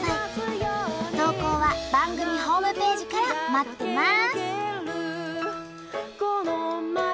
投稿は番組ホームページから待ってます！